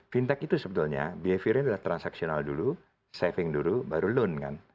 fintech itu sebetulnya behaviornya adalah transaksional dulu saving dulu baru loan kan